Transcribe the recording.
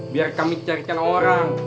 biar kami carikan orang